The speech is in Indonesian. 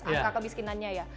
angka kemiskinannya ya